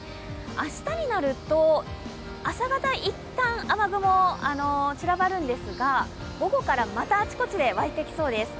明日になると、朝方、一旦、雨雲、散らばるんですが、午後からまたあちこちで湧いてきそうです。